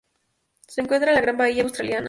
Se encuentra en la Gran Bahía Australiana.